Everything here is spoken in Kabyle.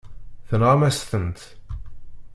Tenɣam-as-tent.